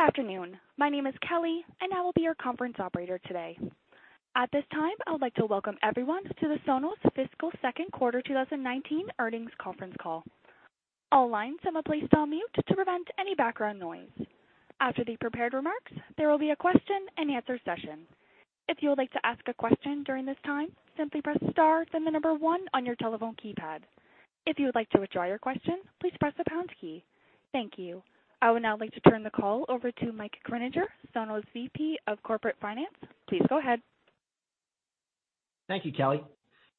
Good afternoon. My name is Kelly, and I will be your conference operator today. At this time, I would like to welcome everyone to the Sonos Fiscal Second Quarter 2019 Earnings Conference Call. All lines have been placed on mute to prevent any background noise. After the prepared remarks, there will be a question and answer session. If you would like to ask a question during this time, simply press star then the number one on your telephone keypad. If you would like to withdraw your question, please press the pound key. Thank you. I would now like to turn the call over to Mike Greninger, Sonos VP of Corporate Finance. Please go ahead. Thank you, Kelly.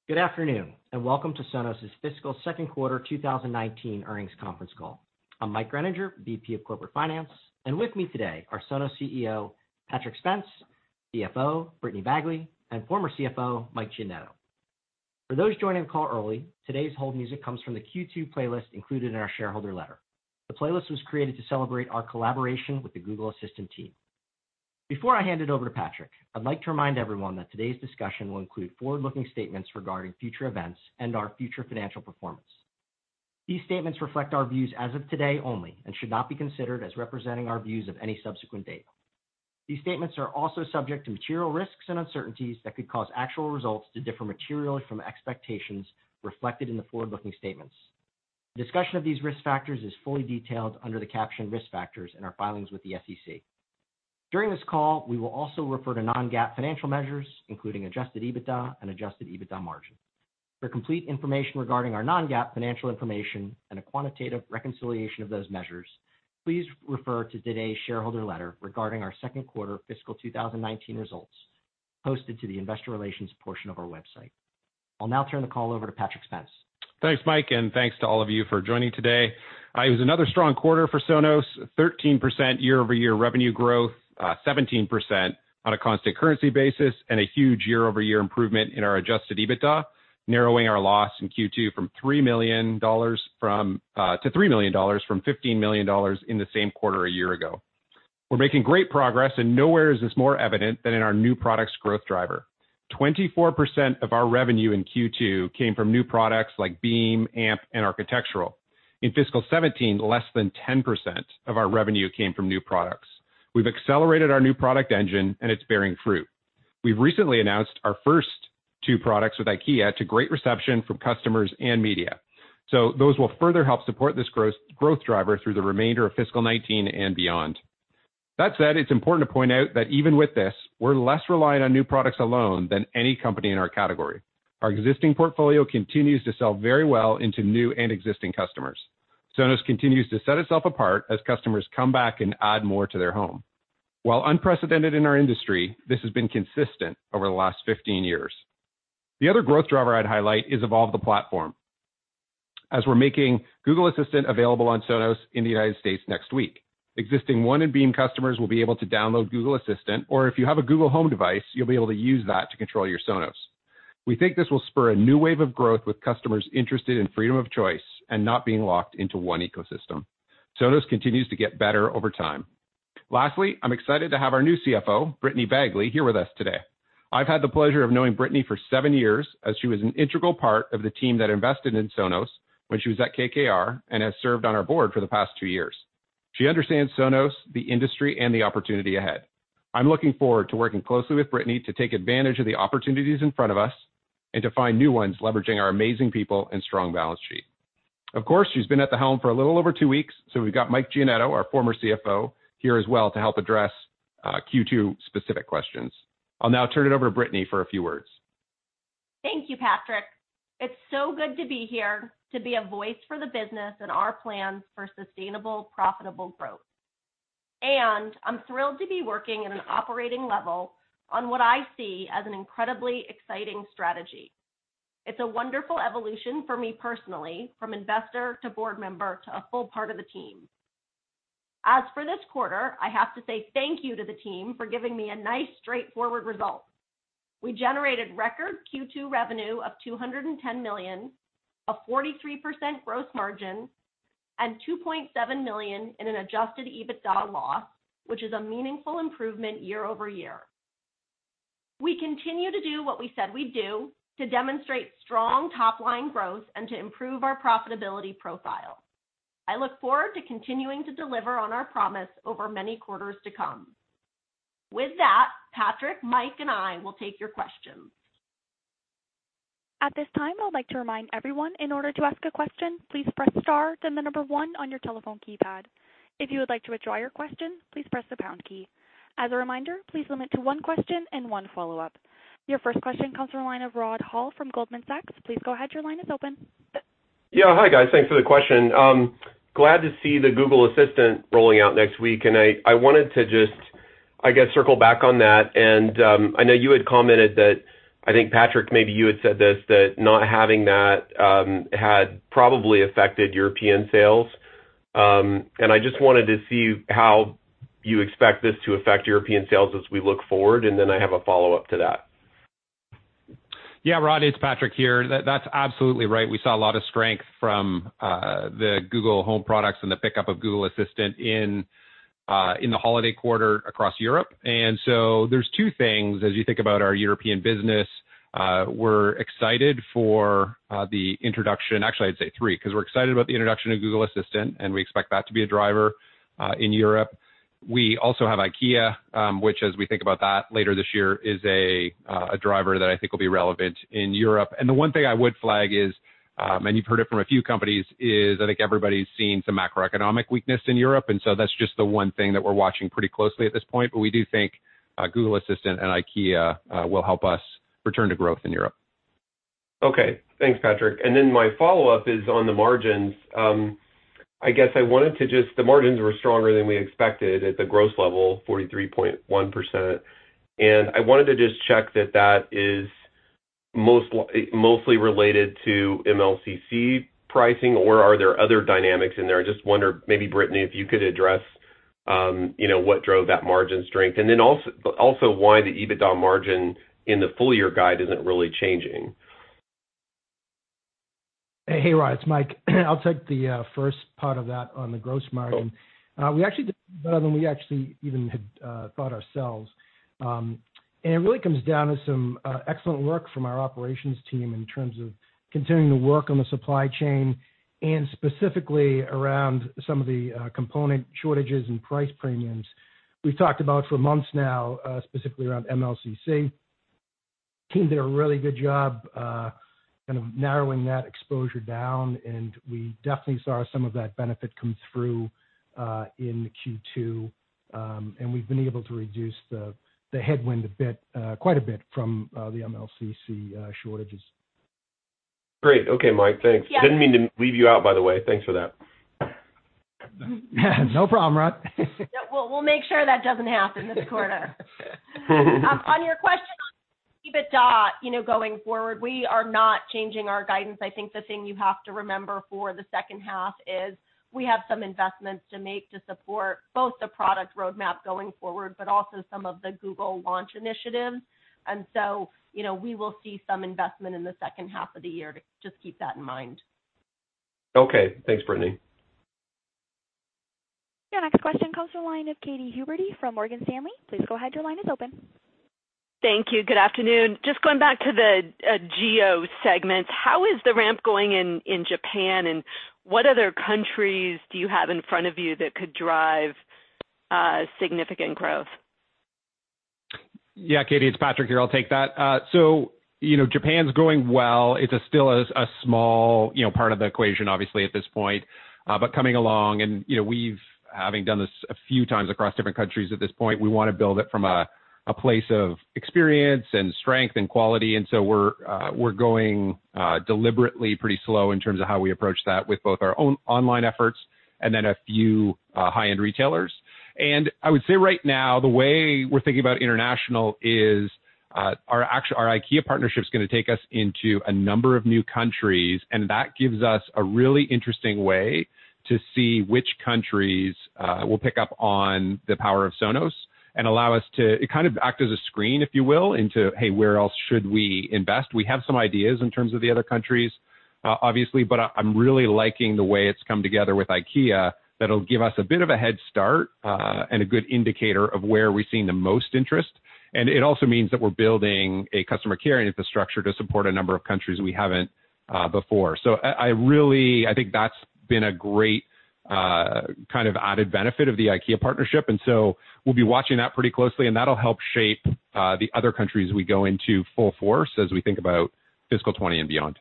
Good afternoon, welcome to Sonos's Fiscal Second Quarter 2019 Earnings Conference Call. I'm Mike Greninger, VP of Corporate Finance, and with me today are Sonos CEO, Patrick Spence, CFO, Brittany Bagley, and former CFO, Mike Giannetto. For those joining the call early, today's hold music comes from the Q2 playlist included in our shareholder letter. The playlist was created to celebrate our collaboration with the Google Assistant team. Before I hand it over to Patrick, I'd like to remind everyone that today's discussion will include forward-looking statements regarding future events and our future financial performance. These statements reflect our views as of today only and should not be considered as representing our views of any subsequent date. These statements are also subject to material risks and uncertainties that could cause actual results to differ materially from expectations reflected in the forward-looking statements. Discussion of these risk factors is fully detailed under the caption Risk Factors in our filings with the SEC. During this call, we will also refer to non-GAAP financial measures, including adjusted EBITDA and adjusted EBITDA margin. For complete information regarding our non-GAAP financial information and a quantitative reconciliation of those measures, please refer to today's shareholder letter regarding our second quarter fiscal 2019 results, posted to the investor relations portion of our website. I'll now turn the call over to Patrick Spence. Thanks, Mike, and thanks to all of you for joining today. It was another strong quarter for Sonos, 13% year-over-year revenue growth, 17% on a constant currency basis and a huge year-over-year improvement in our adjusted EBITDA, narrowing our loss in Q2 to $3 million from $15 million in the same quarter a year ago. We're making great progress, and nowhere is this more evident than in our new products growth driver. 24% of our revenue in Q2 came from new products like Beam, Amp, and Architectural. In fiscal 2017, less than 10% of our revenue came from new products. We've accelerated our new product engine, and it's bearing fruit. We've recently announced our first two products with IKEA to great reception from customers and media. Those will further help support this growth driver through the remainder of fiscal 2019 and beyond. That said, it's important to point out that even with this, we're less reliant on new products alone than any company in our category. Our existing portfolio continues to sell very well into new and existing customers. Sonos continues to set itself apart as customers come back and add more to their home. While unprecedented in our industry, this has been consistent over the last 15 years. The other growth driver I'd highlight is Evolve the Platform. As we're making Google Assistant available on Sonos in the U.S. next week. Existing One and Beam customers will be able to download Google Assistant, or if you have a Google Home device, you'll be able to use that to control your Sonos. We think this will spur a new wave of growth with customers interested in freedom of choice and not being locked into one ecosystem. Sonos continues to get better over time. Lastly, I'm excited to have our new CFO, Brittany Bagley, here with us today. I've had the pleasure of knowing Brittany for 7 years, as she was an integral part of the team that invested in Sonos when she was at KKR and has served on our board for the past 2 years. She understands Sonos, the industry, and the opportunity ahead. I'm looking forward to working closely with Brittany to take advantage of the opportunities in front of us and to find new ones leveraging our amazing people and strong balance sheet. Of course, she's been at the helm for a little over 2 weeks, so we've got Mike Giannetto, our former CFO, here as well to help address Q2 specific questions. I'll now turn it over to Brittany for a few words. Thank you, Patrick. It's so good to be here, to be a voice for the business and our plans for sustainable, profitable growth. I'm thrilled to be working at an operating level on what I see as an incredibly exciting strategy. It's a wonderful evolution for me personally, from investor to board member to a full part of the team. As for this quarter, I have to say thank you to the team for giving me a nice, straightforward result. We generated record Q2 revenue of $210 million, a 43% gross margin, and $2.7 million in an adjusted EBITDA loss, which is a meaningful improvement year-over-year. We continue to do what we said we'd do to demonstrate strong top-line growth and to improve our profitability profile. I look forward to continuing to deliver on our promise over many quarters to come. With that, Patrick, Mike, and I will take your questions. At this time, I would like to remind everyone, in order to ask a question, please press star then the number one on your telephone keypad. If you would like to withdraw your question, please press the pound key. As a reminder, please limit to one question and one follow-up. Your first question comes from the line of Rod Hall from Goldman Sachs. Please go ahead, your line is open. Yeah. Hi, guys. Thanks for the question. Glad to see the Google Assistant rolling out next week. I wanted to just, I guess, circle back on that. I know you had commented that, I think, Patrick, maybe you had said this, that not having that had probably affected European sales. I just wanted to see how you expect this to affect European sales as we look forward. Then I have a follow-up to that. Yeah, Rod, it's Patrick here. That's absolutely right. We saw a lot of strength from the Google Home products and the pickup of Google Assistant in the holiday quarter across Europe. There's two things as you think about our European business. We're excited for the introduction. Actually, I'd say three, because we're excited about the introduction of Google Assistant, and we expect that to be a driver in Europe. We also have Ikea, which as we think about that later this year, is a driver that I think will be relevant in Europe. The one thing I would flag is, and you've heard it from a few companies, is I think everybody's seeing some macroeconomic weakness in Europe, and so that's just the one thing that we're watching pretty closely at this point. We do think Google Assistant and Ikea will help us return to growth in Europe. Okay. Thanks, Patrick. My follow-up is on the margins. The margins were stronger than we expected at the gross level, 43.1%, I wanted to just check that that is mostly related to MLCC pricing, or are there other dynamics in there? I just wonder, maybe Brittany, if you could address what drove that margin strength, also why the EBITDA margin in the full year guide isn't really changing. Hey, Rod, it's Mike. I'll take the first part of that on the gross margin. We actually did better than we actually even had thought ourselves. It really comes down to some excellent work from our operations team in terms of continuing to work on the supply chain and specifically around some of the component shortages and price premiums we've talked about for months now, specifically around MLCC. Team did a really good job kind of narrowing that exposure down, we definitely saw some of that benefit come through in Q2. We've been able to reduce the headwind a bit, quite a bit, from the MLCC shortages. Great. Okay, Mike, thanks. Yeah. Didn't mean to leave you out, by the way. Thanks for that. No problem, Rod. We'll make sure that doesn't happen this quarter. On your question on EBITDA going forward, we are not changing our guidance. I think the thing you have to remember for the second half is we have some investments to make to support both the product roadmap going forward, but also some of the Google launch initiatives. We will see some investment in the second half of the year. Just keep that in mind. Okay. Thanks, Brittany. Your next question comes from the line of Katy Huberty from Morgan Stanley. Please go ahead. Your line is open. Thank you. Good afternoon. Just going back to the geo segments, how is the ramp going in Japan, and what other countries do you have in front of you that could drive significant growth? Katy, it's Patrick here. I'll take that. Japan's growing well. It's still a small part of the equation, obviously, at this point, but coming along and we've, having done this a few times across different countries at this point, we want to build it from a place of experience and strength and quality. We're going deliberately pretty slow in terms of how we approach that with both our own online efforts and then a few high-end retailers. I would say right now, the way we're thinking about international is our IKEA partnership is going to take us into a number of new countries, and that gives us a really interesting way to see which countries will pick up on the power of Sonos and allow us to kind of act as a screen, if you will, into, hey, where else should we invest? We have some ideas in terms of the other countries, obviously, but I'm really liking the way it's come together with IKEA. That'll give us a bit of a head start and a good indicator of where we're seeing the most interest. It also means that we're building a customer care and infrastructure to support a number of countries we haven't before. I think that's been a great kind of added benefit of the IKEA partnership, we'll be watching that pretty closely, and that'll help shape the other countries we go into full force as we think about fiscal 2020 and beyond.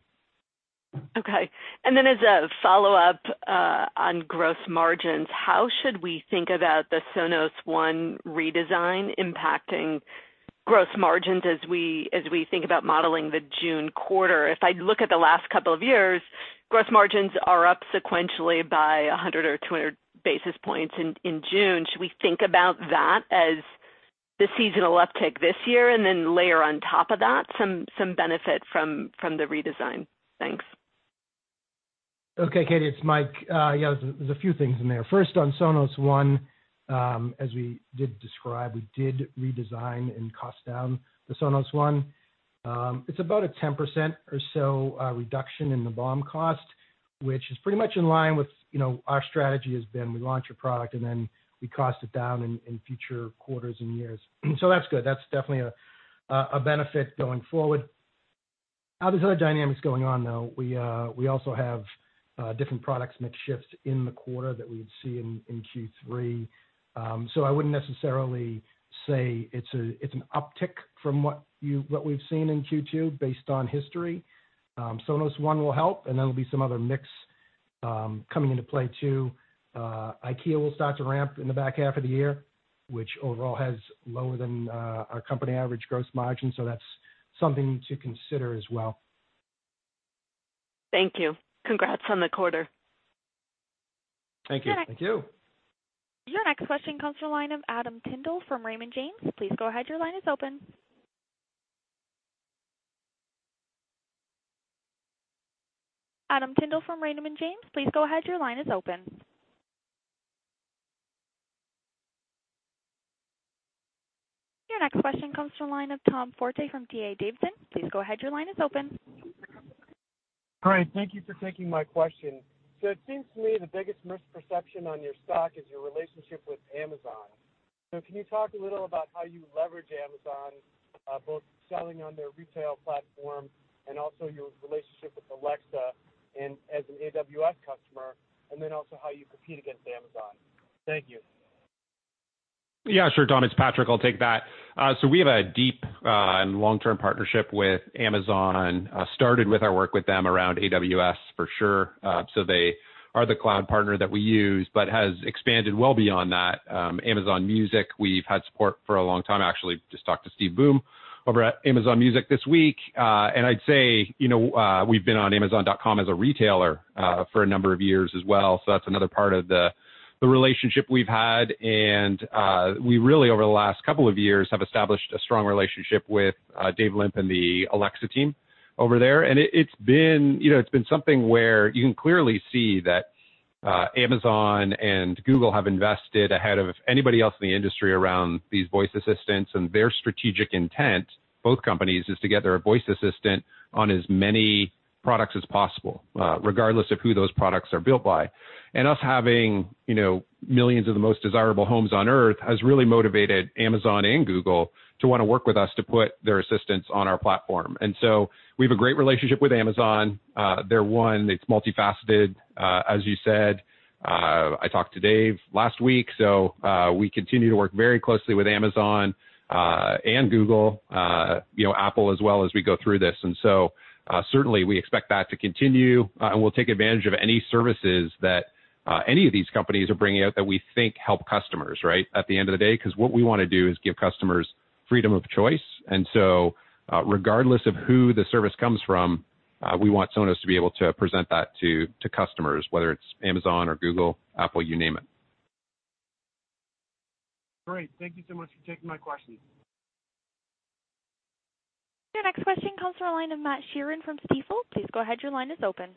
Okay. As a follow-up on gross margins, how should we think about the Sonos One redesign impacting gross margins as we think about modeling the June quarter? If I look at the last couple of years, gross margins are up sequentially by 100 or 200 basis points in June. Should we think about that as the seasonal uptick this year, and then layer on top of that some benefit from the redesign? Thanks. Okay, Katy, it's Mike. There's a few things in there. First on Sonos One, as we did describe, we did redesign and cost down the Sonos One. It's about a 10% or so reduction in the BOM cost, which is pretty much in line with our strategy has been we launch a product and then we cost it down in future quarters and years. That's good. That's definitely a benefit going forward. There's other dynamics going on, though. We also have different products mix shift in the quarter that we would see in Q3. I wouldn't necessarily say it's an uptick from what we've seen in Q2 based on history. Sonos One will help, and there'll be some other mix coming into play, too. IKEA will start to ramp in the back half of the year, which overall has lower than our company average gross margin. That's something to consider as well. Thank you. Congrats on the quarter. Thank you. Your next. Thank you. Your next question comes from the line of Adam Tindle from Raymond James. Please go ahead. Your line is open. Adam Tindle from Raymond James, please go ahead. Your line is open. Your next question comes from the line of Tom Forte from D.A. Davidson. Please go ahead. Your line is open. Great. Thank you for taking my question. It seems to me the biggest misperception on your stock is your relationship with Amazon. Can you talk a little about how you leverage Amazon, both selling on their retail platform and also your relationship with Alexa and as an AWS customer, and then also how you compete against Amazon? Thank you. Tom. It's Patrick, I'll take that. We have a deep and long-term partnership with Amazon. Started with our work with them around AWS for sure. They are the cloud partner that we use, but has expanded well beyond that. Amazon Music, we've had support for a long time. Actually just talked to Steve Boom over at Amazon Music this week. I'd say, we've been on amazon.com as a retailer for a number of years as well. That's another part of the relationship we've had. We really, over the last couple of years, have established a strong relationship with Dave Limp and the Alexa team over there. It's been something where you can clearly see that Amazon and Google have invested ahead of anybody else in the industry around these voice assistants, and their strategic intent, both companies, is to get their voice assistant on as many products as possible, regardless of who those products are built by. Us having millions of the most desirable homes on Earth has really motivated Amazon and Google to want to work with us to put their assistants on our platform. We have a great relationship with Amazon. They're one that's multifaceted, as you said. I talked to Dave last week, we continue to work very closely with Amazon, Google, Apple as well as we go through this. Certainly we expect that to continue. We'll take advantage of any services that any of these companies are bringing out that we think help customers, right, at the end of the day. Because what we want to do is give customers freedom of choice. Regardless of who the service comes from, we want Sonos to be able to present that to customers, whether it's Amazon or Google, Apple, you name it. Great. Thank you so much for taking my question. Your next question comes from the line of Matt Sheerin from Stifel. Please go ahead, your line is open.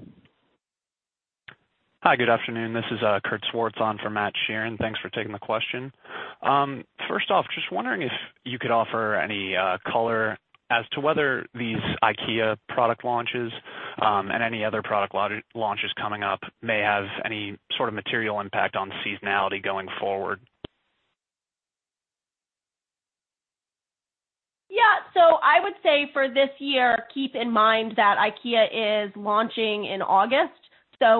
Hi, good afternoon. This is Kurt Schwartz on for Matt Sheerin. Thanks for taking the question. First off, just wondering if you could offer any color as to whether these IKEA product launches, and any other product launches coming up may have any sort of material impact on seasonality going forward. I would say for this year, keep in mind that IKEA is launching in August.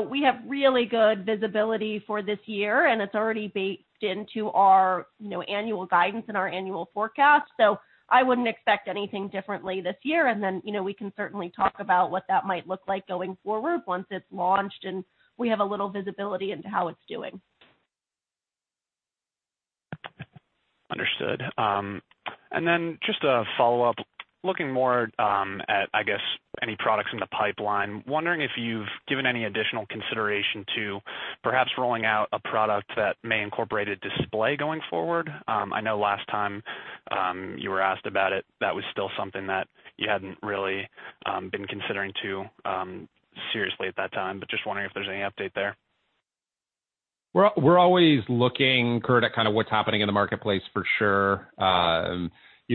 We have really good visibility for this year, and it's already baked into our annual guidance and our annual forecast. I wouldn't expect anything differently this year. We can certainly talk about what that might look like going forward once it's launched and we have a little visibility into how it's doing. Understood. Just a follow-up. Looking more at, I guess, any products in the pipeline. Wondering if you've given any additional consideration to perhaps rolling out a product that may incorporate a display going forward. I know last time you were asked about it, that was still something that you hadn't really been considering too seriously at that time. Just wondering if there's any update there. We're always looking, Kurt, at kind of what's happening in the marketplace for sure.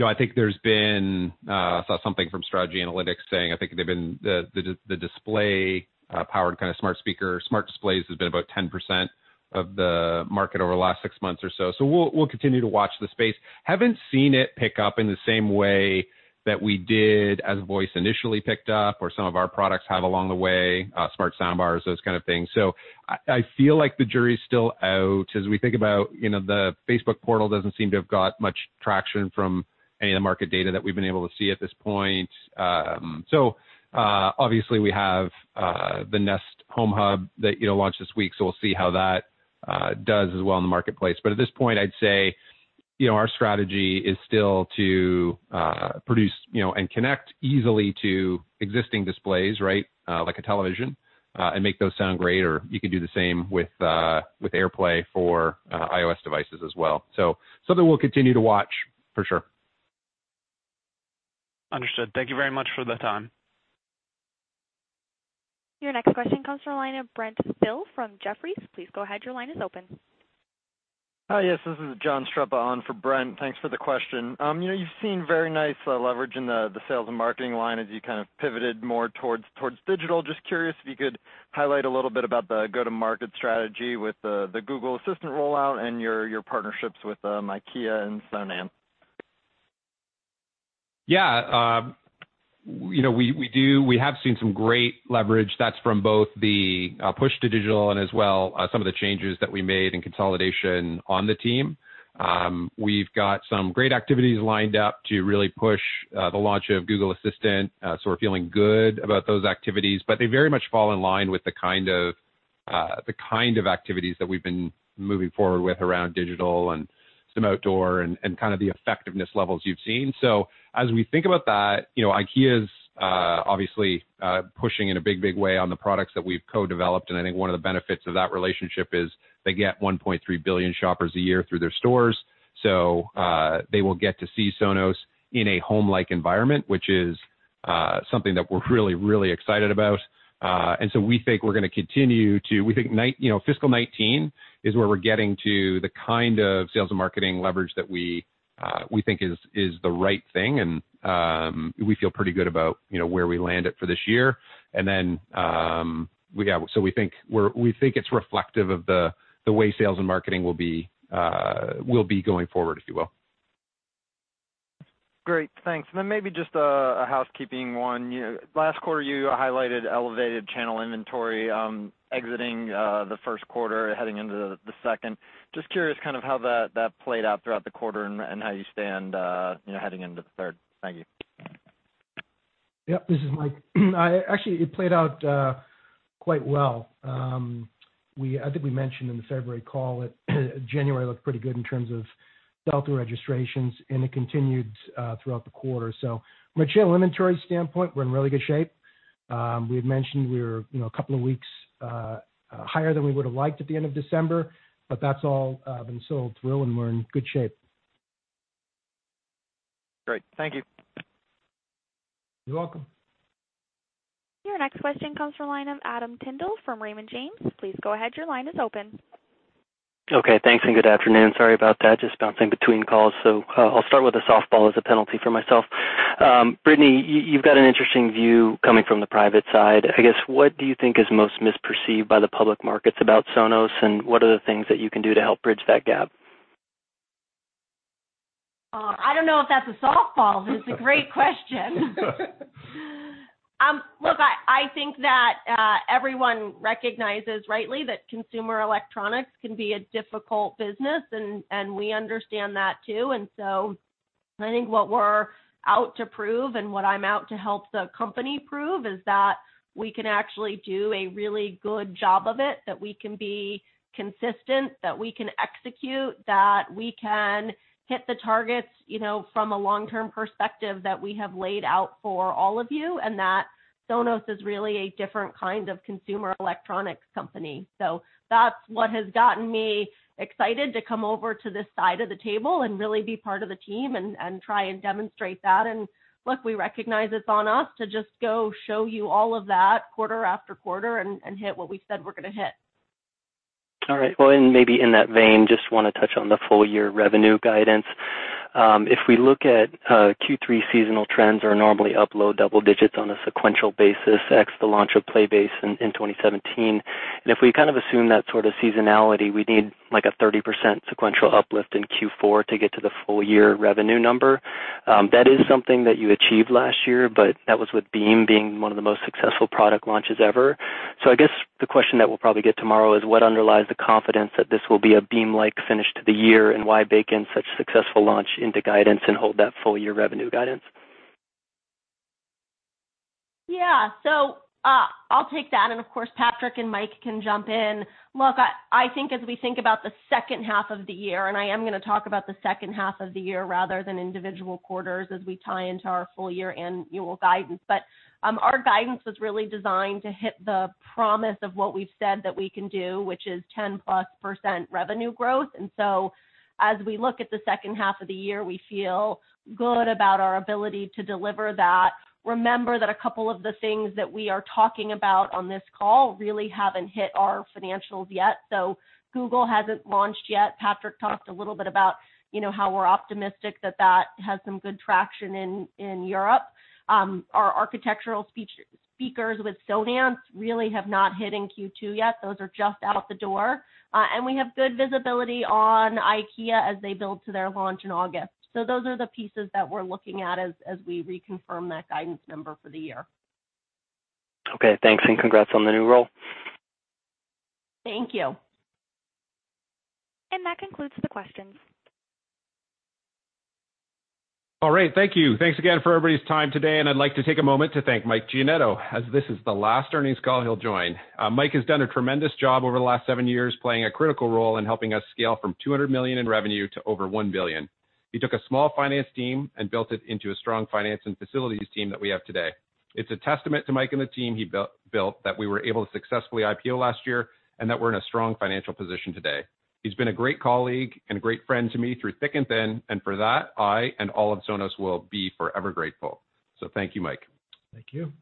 I think there's been, I saw something from Strategy Analytics saying, I think they've been the display-powered kind of smart speaker, smart displays has been about 10% of the market over the last six months or so. We'll continue to watch the space. Haven't seen it pick up in the same way that we did as voice initially picked up or some of our products have along the way, smart sound bars, those kind of things. I feel like the jury's still out as we think about the Facebook Portal doesn't seem to have got much traction from any of the market data that we've been able to see at this point. Obviously we have the Google Home Hub that launched this week, so we'll see how that does as well in the marketplace. At this point, I'd say our strategy is still to produce and connect easily to existing displays, right, like a television, and make those sound great. You could do the same with AirPlay for iOS devices as well. Something we'll continue to watch for sure. Understood. Thank you very much for the time. Your next question comes from the line of Brent Thill from Jefferies. Please go ahead, your line is open. Hi, yes, this is John Streppa on for Brent. Thanks for the question. You've seen very nice leverage in the sales and marketing line as you kind of pivoted more towards digital. Just curious if you could highlight a little bit about the go-to-market strategy with the Google Assistant rollout and your partnerships with IKEA and Sonance. We have seen some great leverage that's from both the push to digital and as well some of the changes that we made in consolidation on the team. We've got some great activities lined up to really push the launch of Google Assistant. We're feeling good about those activities. They very much fall in line with the kind of activities that we've been moving forward with around digital and some outdoor and kind of the effectiveness levels you've seen. As we think about that, IKEA's obviously pushing in a big way on the products that we've co-developed. I think one of the benefits of that relationship is they get 1.3 billion shoppers a year through their stores. They will get to see Sonos in a home-like environment, which is something that we're really, really excited about. We think fiscal 2019 is where we're getting to the kind of sales and marketing leverage that we think is the right thing, and we feel pretty good about where we land it for this year. We think it's reflective of the way sales and marketing will be going forward, if you will. Great. Thanks. Maybe just a housekeeping one. Last quarter, you highlighted elevated channel inventory exiting the first quarter, heading into the second. Just curious kind of how that played out throughout the quarter and how you stand heading into the third. Thank you. Yep. This is Mike. Actually, it played out quite well. I think we mentioned in the February call that January looked pretty good in terms of sell-through registrations, and it continued throughout the quarter. From a channel inventory standpoint, we're in really good shape. We had mentioned we were a couple of weeks higher than we would've liked at the end of December, but that's all been sold through, and we're in good shape. Great. Thank you. You're welcome. Your next question comes from the line of Adam Tindle from Raymond James. Please go ahead, your line is open. Thanks, and good afternoon. Sorry about that, just bouncing between calls. I'll start with a softball as a penalty for myself. Brittany, you've got an interesting view coming from the private side. I guess, what do you think is most misperceived by the public markets about Sonos, and what are the things that you can do to help bridge that gap? I don't know if that's a softball, it's a great question. Look, I think that everyone recognizes rightly that consumer electronics can be a difficult business, and we understand that too. I think what we're out to prove and what I'm out to help the company prove is that we can actually do a really good job of it, that we can be consistent, that we can execute, that we can hit the targets from a long-term perspective that we have laid out for all of you, and that Sonos is really a different kind of consumer electronics company. That's what has gotten me excited to come over to this side of the table and really be part of the team and try and demonstrate that. Look, we recognize it's on us to just go show you all of that quarter after quarter and hit what we said we're going to hit. All right. Well, maybe in that vein, just want to touch on the full-year revenue guidance. If we look at Q3 seasonal trends are normally up low double digits on a sequential basis ex the launch of Playbase in 2017. If we kind of assume that sort of seasonality, we'd need like a 30% sequential uplift in Q4 to get to the full-year revenue number. That is something that you achieved last year, that was with Beam being one of the most successful product launches ever. I guess the question that we'll probably get tomorrow is what underlies the confidence that this will be a Beam-like finish to the year, and why bake in such successful launch into guidance and hold that full-year revenue guidance? I'll take that, and of course, Patrick and Mike can jump in. Look, I think as we think about the second half of the year, I am going to talk about the second half of the year rather than individual quarters as we tie into our full-year annual guidance. Our guidance was really designed to hit the promise of what we've said that we can do, which is 10+% revenue growth. As we look at the second half of the year, we feel good about our ability to deliver that. Remember that a couple of the things that we are talking about on this call really haven't hit our financials yet. Google hasn't launched yet. Patrick talked a little bit about how we're optimistic that that has some good traction in Europe. Our Sonos Architectural speakers with Sonance really have not hit in Q2 yet. Those are just out the door. We have good visibility on IKEA as they build to their launch in August. Those are the pieces that we're looking at as we reconfirm that guidance number for the year. Thanks, and congrats on the new role. Thank you. That concludes the questions. All right. Thank you. Thanks again for everybody's time today. I'd like to take a moment to thank Mike Giannetto, as this is the last earnings call he'll join. Mike has done a tremendous job over the last seven years, playing a critical role in helping us scale from $200 million in revenue to over $1 billion. He took a small finance team and built it into a strong finance and facilities team that we have today. It's a testament to Mike and the team he built that we were able to successfully IPO last year and that we're in a strong financial position today. He's been a great colleague and a great friend to me through thick and thin, and for that, I and all of Sonos will be forever grateful. Thank you, Mike. Thank you.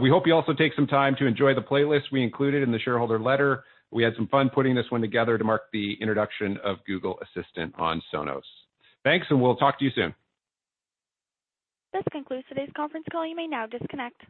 We hope you also take some time to enjoy the playlist we included in the shareholder letter. We had some fun putting this one together to mark the introduction of Google Assistant on Sonos. Thanks, we'll talk to you soon. This concludes today's conference call. You may now disconnect.